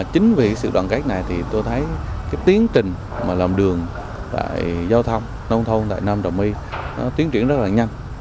chính vì sự đoàn kết này thì tôi thấy cái tiến trình mà làm đường tại giao thông nông thôn tại nam đồng my nó tiến triển rất là nhanh